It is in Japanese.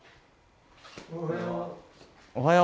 おはよう。